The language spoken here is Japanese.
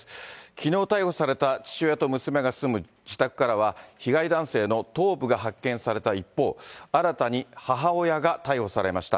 きのう逮捕された父親と娘が住む自宅からは、被害男性の頭部が発見された一方、新たに母親が逮捕されました。